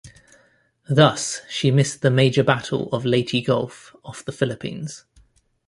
Thus, she missed the major Battle of Leyte Gulf off the Philippines.